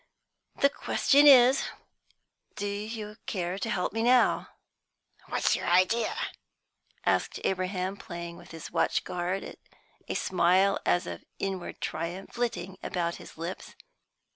The question is, do you care to help me now?" "What's your idea?" asked Abraham, playing with his watch guard, a smile as of inward triumph flitting about his lips.